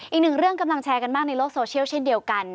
อีกหนึ่งเรื่องกำลังแชร์กันมากในโลกโซเชียลเช่นเดียวกัน